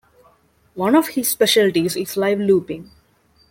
One of his specialities is live looping.